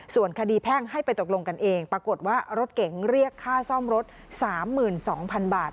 ส่วนคดีแพ่งให้ไปตกลงกันเองปรากฏว่ารถเก๋งเรียกค่าซ่อมรถ๓๒๐๐๐บาท